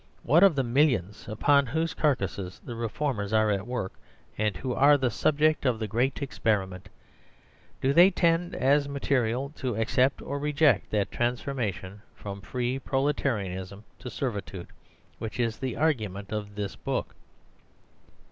What of the millions upon whose carcasses the reformers are at work, and who are the subject of the great experiment ? Do they tend, as material, to accept or to reject that transfor mation from free proletarianism to servitude which is the argument of this book